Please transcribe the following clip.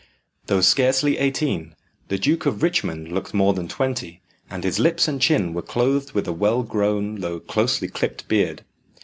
Though scarcely eighteen, the Duke of Richmond looked more than twenty, and his lips and chin were clothed with a well grown though closely clipped beard.